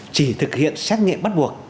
chỉ thực hiện xét nghiệm bắt buộc